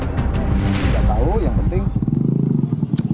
sudah berjalan berjalan berapa lama pak ini sebetulnya ini udah berjalan bering maksudnya